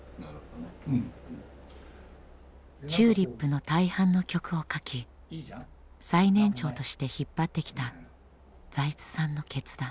ＴＵＬＩＰの大半の曲を書き最年長として引っ張ってきた財津さんの決断。